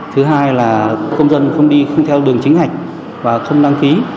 thứ hai là công dân không đi theo đường chính hạch và không đăng ký